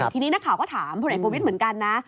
ทีนี้นักข่าวก็ถามพลเอกประวิทย์เหมือนกันนะ